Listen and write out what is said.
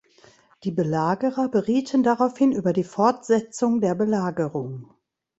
Die Belagerer berieten daraufhin über die Fortsetzung der Belagerung.